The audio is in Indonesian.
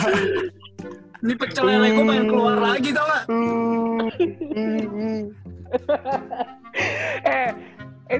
ini peceleraan gue pengen keluar lagi